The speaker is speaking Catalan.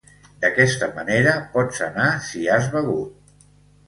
D'aquesta manera pots anar si has begut.